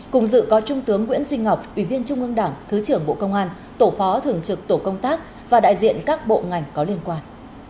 cùng dự có trung tướng nguyễn duy ngọc ủy viên trung ương đảng thứ trưởng bộ công an tổ phó thường trực tổ công tác và đại diện các bộ ngành có liên quan